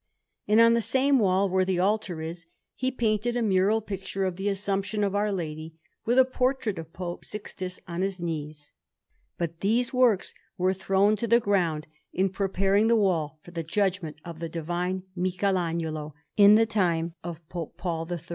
And on the same wall where the altar is he painted a mural picture of the Assumption of Our Lady, with a portrait of Pope Sixtus on his knees. But these works were thrown to the ground in preparing the wall for the Judgment of the divine Michelagnolo, in the time of Pope Paul III.